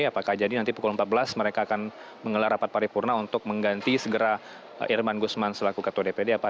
apakah jadi nanti pukul empat belas mereka akan menggelar rapat paripurna untuk mengganti segera irman gusman selaku ketua dpd